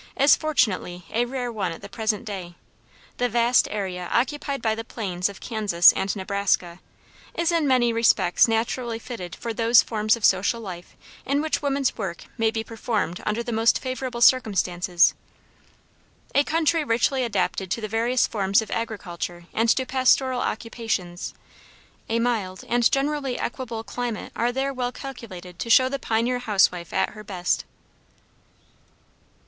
is fortunately a rare one at the present day. The vast area occupied by the plains of Kansas and Nebraska, is in many respects naturally fitted for those forms of social life in which woman's work may be performed under the most favorable circumstances; a country richly adapted to the various forms of agriculture and to pastoral occupations; a mild and generally equable climate are there well calculated to show the pioneer housewife at her best.